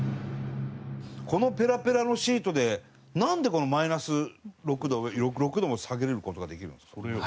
このペラペラのシートでなんでマイナス６度６度も下げられる事ができるんですか？